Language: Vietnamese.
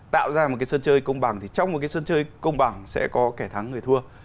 tạo ra một cái sân chơi công bằng thì trong một cái sân chơi công bằng sẽ có kẻ thắng người thua